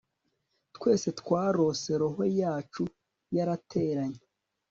twese twarose; roho yacu yarateranye